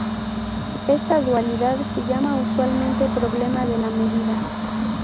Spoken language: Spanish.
Esta dualidad se llama usualmente problema de la medida.